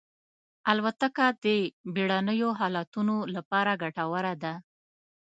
الوتکه د بېړنیو حالتونو لپاره ګټوره ده.